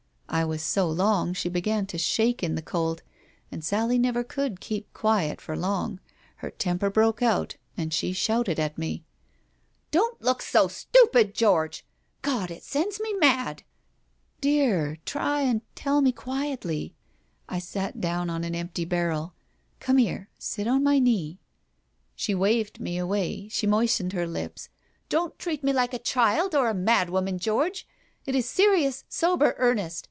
I was so long, she began to shake in the cold. ... And Sally never could keep quiet for long. Her temper broke out and she shouted at me. "Don't look so stupid, George! ... God, it sends me mad !" "Dear, try and tell me quietly." I sat down on an empty barrel. "Come here. Sit on my knee " She waved me away. She moistened her lips. "Don't treat me like a child or a madwoman, George. It is serious, sober earnest.